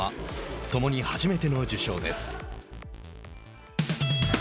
共に初めての受賞です。